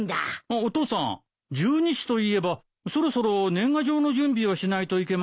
お父さん十二支といえばそろそろ年賀状の準備をしないといけませんね。